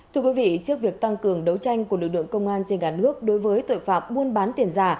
thưa quý vị trước việc tăng cường đấu tranh của lực lượng công an trên cả nước đối với tội phạm buôn bán tiền giả